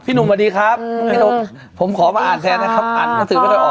พี่หนุ่มสวัสดีครับผมขอมาอ่านแทนนะครับอ่านถือไม่ได้ออก